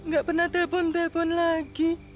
gak pernah telepon telepon lagi